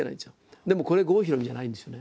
でもこれは郷ひろみじゃないんですよね。